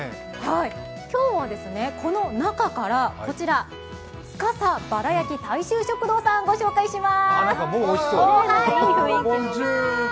今日はこの中から、こちら、司バラ焼き大衆食堂をご紹介します。